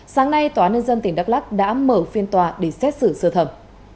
sáng nay tòa án nhân dân tỉnh đắk lắc đã mở phiên tòa để xét xử sơ thẩm